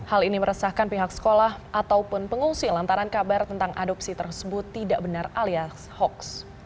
hal ini meresahkan pihak sekolah ataupun pengungsi lantaran kabar tentang adopsi tersebut tidak benar alias hoax